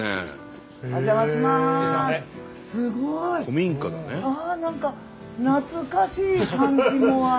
すごい！何か懐かしい感じもあり。